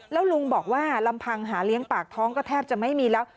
แล้วลุงบอกว่าลำพังหาเลี้ยงปากท้องก็แทบจะไม่มีแล้ว